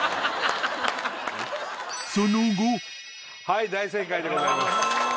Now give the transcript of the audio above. はい大正解でございます。